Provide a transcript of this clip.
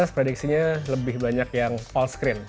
dua ribu sembilan belas prediksinya lebih banyak yang all screen